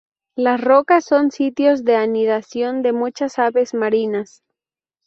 Las rocas son sitios de anidación de muchas aves marinas.